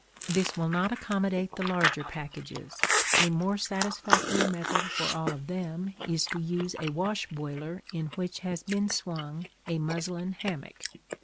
This will not accommodate the larger packages; a more satisfactory method for all of them is to use a wash boiler in which has been swung a muslin hammock.